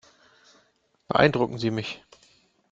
Beeindrucken Sie mich.